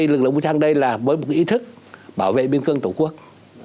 lực lượng vũ trang ở đây là với một cái ý thức bảo vệ biên cương tổ quốc